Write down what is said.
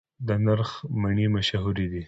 د نرخ مڼې مشهورې دي